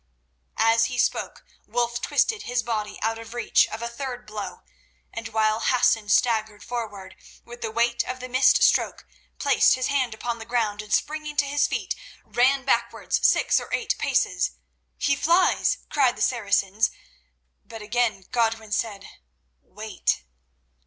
As he spoke Wulf twisted his body out of reach of a third blow, and while Hassan staggered forward with the weight of the missed stroke, placed his hand upon the ground, and springing to his feet, ran backwards six or eight paces. "He flies!" cried the Saracens; but again Godwin said, "Wait."